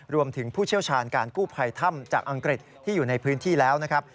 ผู้เชี่ยวชาญการกู้ภัยถ้ำจากอังกฤษที่อยู่ในพื้นที่แล้วนะครับ